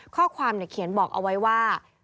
ข้อความเขียนบอกเอาไว้ว่า